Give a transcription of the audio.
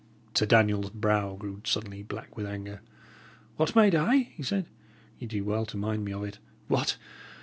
Sir Daniel's brow grew suddenly black with anger. "What made I?" he said. "Ye do well to mind me of it! What?